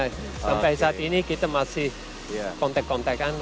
sampai saat ini kita masih kontek kontakan